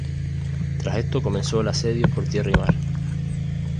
Tras esto comenzó el asedio por tierra y mar.